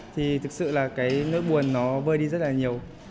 thì thực sự là cái nỗi buồn nó vơi đi rất là nhiều